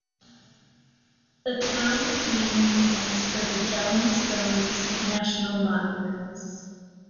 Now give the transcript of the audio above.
The town is mainly famous for the Jelling stones, national monuments.